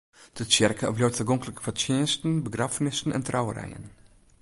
De tsjerke bliuwt tagonklik foar tsjinsten, begraffenissen en trouwerijen.